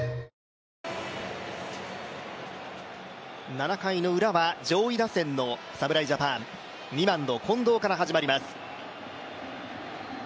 ７回ウラは上位打線の侍ジャパン、２番の近藤から始まります。